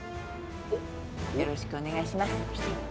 よろしくお願いします。